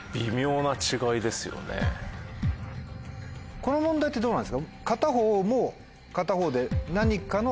この問題ってどうなんですか？